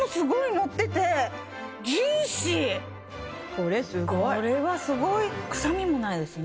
これすごいこれはすごい臭みもないですね